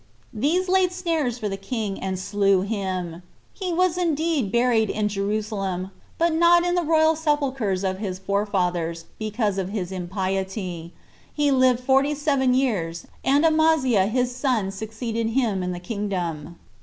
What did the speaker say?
These laid snares for the king, and slew him. He was indeed buried in Jerusalem, but not in the royal sepulchers of his forefathers, because of his impiety. He lived forty seven years, and Amaziah his son succeeded him in the kingdom.